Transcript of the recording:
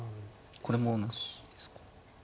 これもなしですか。